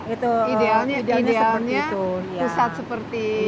idealnya pusat seperti